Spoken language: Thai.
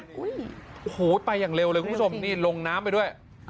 โอ้โหไปอย่างเร็วเลยคุณผู้ชมนี่ลงน้ำไปด้วย